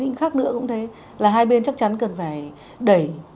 nhưng khác nữa cũng thế là hai bên chắc chắn cần phải đẩy